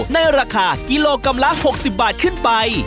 ในราคากิโลกรัมละ๖๐บาทขึ้นไป